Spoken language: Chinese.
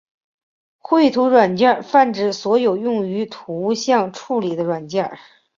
绘图软件泛指所有用于图像处理的软体。